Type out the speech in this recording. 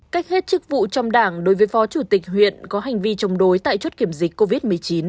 cách hết chức vụ trong đảng đối với phó chủ tịch huyện có hành vi chống đối tại chốt kiểm dịch covid một mươi chín